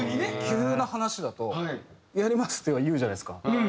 急な話だと「やります」とは言うじゃないですか。